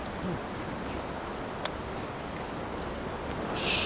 よし。